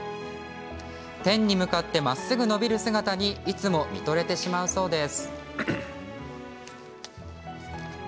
天に向かってまっすぐ伸びる姿にいつも見とれてしまうそうです。